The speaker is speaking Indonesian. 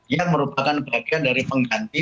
yang merupakan bagian dari pengganti